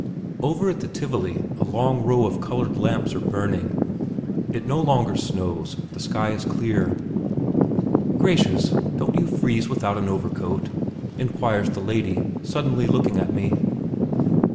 Over at the Tivoli a long row of coloured lamps are burning. It no longer snows; the sky is clear. "Gracious! don't you freeze without an overcoat?" inquires the lady, suddenly looking at me.